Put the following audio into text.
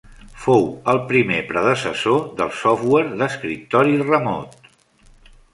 Fou el primer predecessor del software "d'escriptori remot".